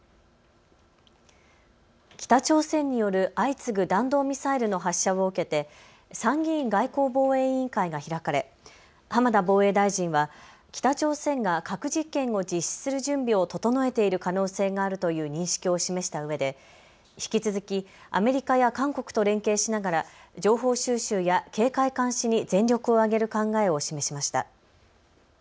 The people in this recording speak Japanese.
北朝鮮による相次ぐ弾道ミサイルの発射を受けて参議院外交防衛委員会が開かれ浜田防衛大臣は北朝鮮が核実験を実施する準備を整えている可能性があるという認識を示したうえで引き続きアメリカや韓国と連携しながら情報収集や警戒監視に全力を挙げる考えを示しました。